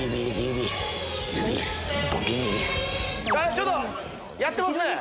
ちょっとやってますね！